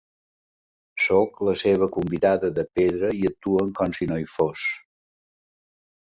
Sóc la seva convidada de pedra i actuen com si no hi fos.